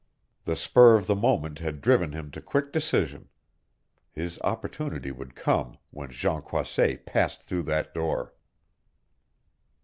The spur of the moment had driven him to quick decision. His opportunity would come when Jean Croisset passed through that door!